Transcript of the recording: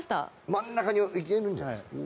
真ん中にいけるんじゃないですか？